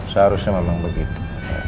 seharusnya memang begitu